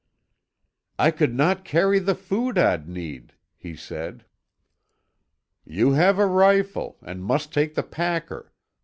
"I could not carry the food I'd need," he said. "You have a rifle, and must take the packer.